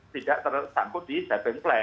tidak tersangkut di diving plan